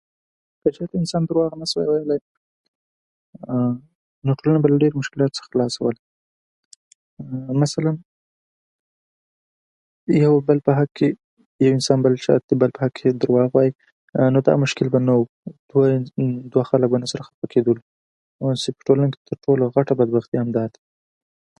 ړنګ شوی يعني وران شوی